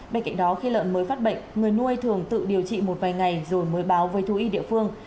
bên cạnh đó khi lợn mới phát bệnh người nuôi thường tự điều trị một vài ngày rồi mới báo với thú y địa phương